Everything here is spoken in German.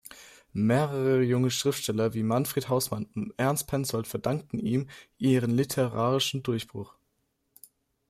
Mehrere junge Schriftsteller wie Manfred Hausmann und Ernst Penzoldt verdankten ihm ihren literarischen Durchbruch.